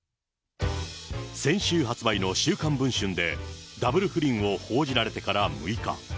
先週発売の週刊文春で、ダブル不倫を報じられてから６日。